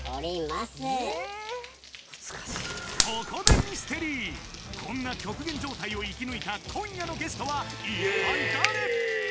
ここでミステリーこんな極限状態を生き抜いた今夜のゲストは一体誰？